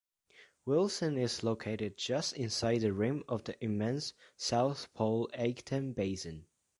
Wilsing is located just inside the rim of the immense South Pole-Aitken basin.